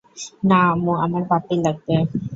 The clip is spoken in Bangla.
না আম্মু, আমার পাপ্পি লাগবে।